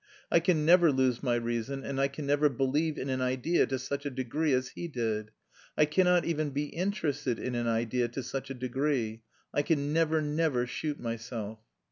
I can never lose my reason, and I can never believe in an idea to such a degree as he did. I cannot even be interested in an idea to such a degree. I can never, never shoot myself.